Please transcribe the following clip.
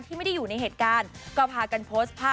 ไม่ได้อยู่ในเหตุการณ์ก็พากันโพสต์ภาพ